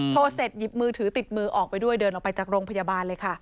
โทรเสร็จหยิบมือถือติดมือออกไปด้วยเดินออกไปจากโรงพยาบาลเลยค่ะ